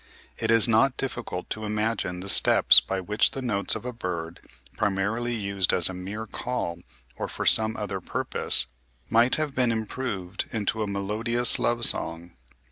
It is not difficult to imagine the steps by which the notes of a bird, primarily used as a mere call or for some other purpose, might have been improved into a melodious love song.